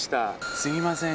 すみません